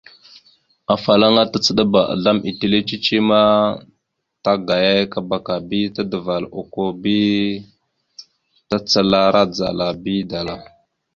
Afalaŋana tacəɗabá azlam etellé cici ma tagayayakaba ka bi tadaval okko bi tacalara dzala bi dala.